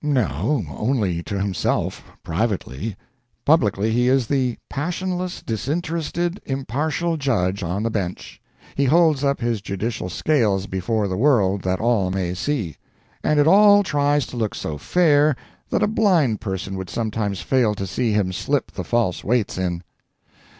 No, only to himself, privately; publicly he is the passionless, disinterested, impartial judge on the bench. He holds up his judicial scales before the world, that all may see; and it all tries to look so fair that a blind person would sometimes fail to see him slip the false weights in.